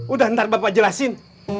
udah ntar bapak jelasin